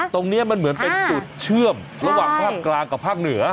ตรงนี้มันเหมือนเป็นจุดเชื่อมระหว่างภาคกลางกับภาคเหนือ